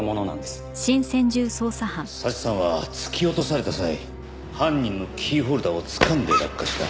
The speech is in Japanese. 早智さんは突き落とされた際犯人のキーホルダーをつかんで落下した。